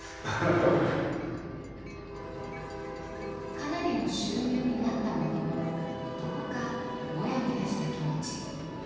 かなりの収入になったもののどこかもやもやした気持ち。